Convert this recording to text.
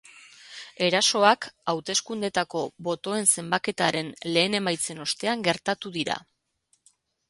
Erasoak hauteskundeetako botoenzenbaketaren lehen emaitzen ostean gertatu dira.